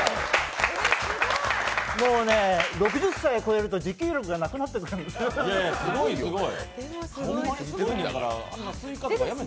もうね、６０歳超えると持久力がなくなってくるんですよ。